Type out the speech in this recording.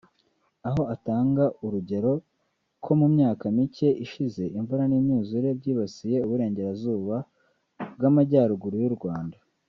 aho atanga urugero ko mu myaka mike ishize imvura n’imyuzure byibasiye Uburengerazuba bw’Amajyaruguru y’u Rwanda